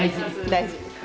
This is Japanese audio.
大事。